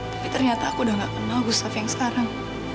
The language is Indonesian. tapi ternyata aku udah gak kenal gustaf yang sekarang